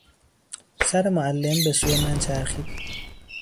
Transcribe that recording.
سر معلم به سوی من چرخید.